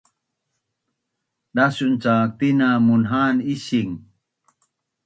Dasun cak tina munha’an ising